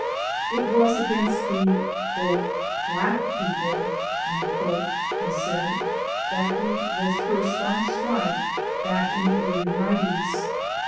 It was against the "black people" he said, that he was first on strike back in the early nineties.